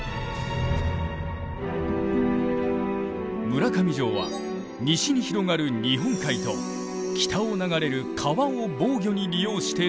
村上城は西に広がる日本海と北を流れる川を防御に利用して造られた。